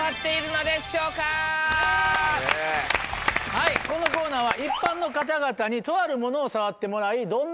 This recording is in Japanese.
はいこのコーナーは。